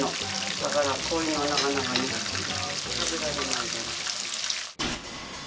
だからこういうのはなかなかね食べられない。